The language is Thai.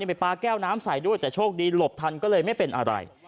ไปปลาแก้วน้ำใส่ด้วยแต่โชคดีหลบทันก็เลยไม่เป็นอะไร